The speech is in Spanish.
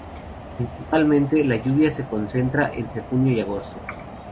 Principalmente, la lluvia se concentra entre junio y agosto.